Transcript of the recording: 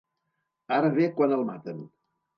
Ara ve quan el maten.